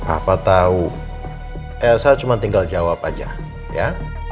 apa tau elsa cuma tinggal jawab aja ya